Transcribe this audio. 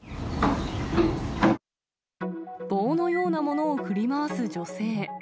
棒のようなものを振り回す女性。